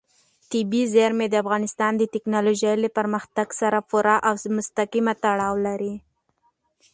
طبیعي زیرمې د افغانستان د تکنالوژۍ له پرمختګ سره پوره او مستقیم تړاو لري.